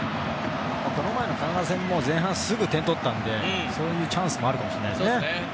この前のカナダ戦も、前半すぐに点を取ったのでそういうチャンスもあるかもしれませんね。